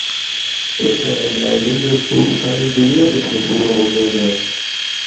اے پیراگلائیڈنگ دا سکول ساری دنیا بچ مشہور ہو گیا دا ہے۔